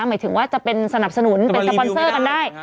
หมายถึงว่าจะเป็นสนับสนุนเป็นสปอนเซอร์กันได้